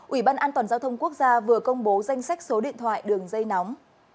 ủy ban an toàn giao thông quốc gia vừa công bố danh sách số điện thoại đường dây nóng